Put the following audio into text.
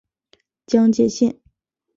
江界线